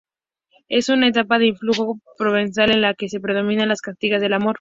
Es una etapa de influjo provenzal, en la que predominan las cantigas de amor.